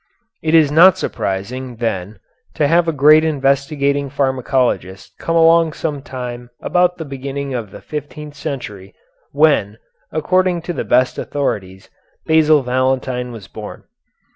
It is not surprising, then, to have a great investigating pharmacologist come along sometime about the beginning of the fifteenth century, when, according to the best authorities, Basil Valentine was born.